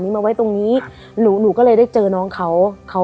ไม่เลยได้เจอน้องเขา